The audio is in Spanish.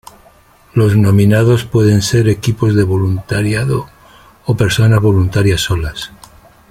Los nominados pueden ser equipos de voluntariado o personas voluntarias solas.